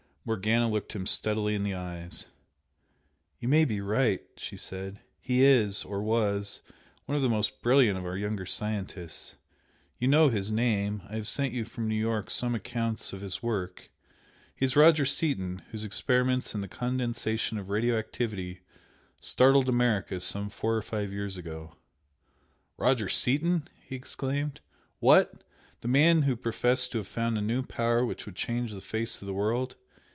Morgana looked him steadily in the eyes. "You may be right," she said "He is or was one of the most brilliant of our younger scientists. You know his name I have sent you from New York some accounts of his work He is Roger Seaton, whose experiments in the condensation of radioactivity startled America some four or five years ago " "Roger Seaton!" he exclaimed "What! The man who professed to have found a new power which would change the face of the world?